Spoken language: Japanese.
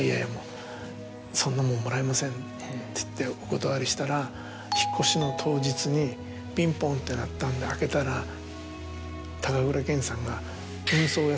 「いやいやもう」。って言ってお断りしたら引っ越しの当日にピンポンって鳴ったんで開けたら高倉健さんが。